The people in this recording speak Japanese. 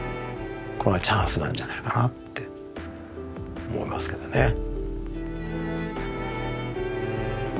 これがチャンスなんじゃないかなって思いますけどね。